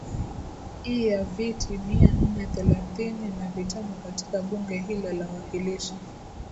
i ya viti mia nne thelathini na vitano katika bunge hilo la wakilishi